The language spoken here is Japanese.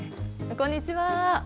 こんにちは。